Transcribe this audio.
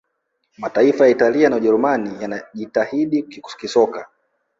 mataifa ya italia na ujerumani yanajitahidi kisoka